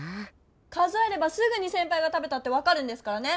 数えればすぐにせんぱいが食べたってわかるんですからね。